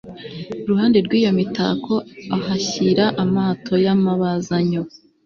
iruhande rw'iyo mitako ahashyira amato y'amabazanyo